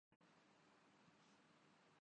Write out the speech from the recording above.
اس سادہ پہ کونہ نہ مر جائے اے خدا